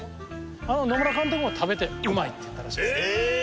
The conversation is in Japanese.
あの野村監督も食べて「うまい」って言ったらしいですええ！